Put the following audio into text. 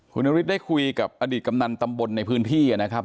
คุณนฤทธิได้คุยกับอดีตกำนันตำบลในพื้นที่นะครับ